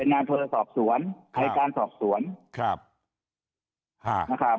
งานโทรสอบสวนในการสอบสวนครับนะครับ